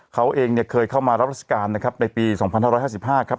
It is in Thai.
เขาเองเนี่ยเคยเข้ามารับราชการนะครับในปี๒๕๕๕ครับ